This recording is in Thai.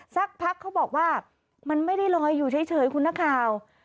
สักพักเขาบอกว่ามันไม่ได้ลอยอยู่เฉยคุณนักข่าว